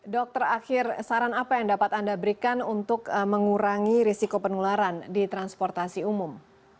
dokter akhir saran apa yang dapat anda berikan untuk mengurangi risiko penularan di transportasi umum